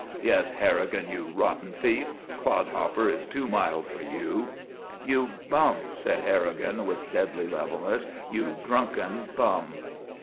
"Yes, Harrigan; you rotten thief. Clodhopper is too mild for you!" "You bum," said Harrigan, with deadly levelness. "You drunken bum."